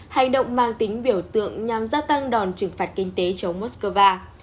hành động mang tính biểu tượng nhằm gia tăng đòn trừng phạt kinh tế chống moscow